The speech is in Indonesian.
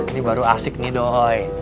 ini baru asik nih dohoy